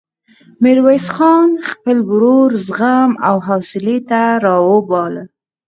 ميرويس خان خپل ورور زغم او حوصلې ته راوباله.